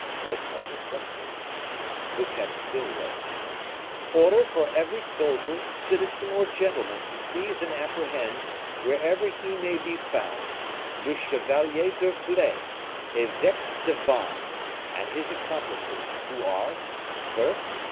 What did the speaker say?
Baisemeaux reflected. Fouquet still wrote: "Order for every soldier, citizen, or gentleman to seize and apprehend, wherever he may be found, le Chevalier d'Herblay, Eveque de Vannes, and his accomplices, who are: first, M.